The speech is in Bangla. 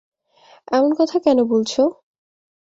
এমন কথা কেন বলছ?